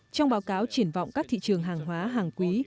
trong báo cáo triển vọng các thị trường hàng hóa hàng quý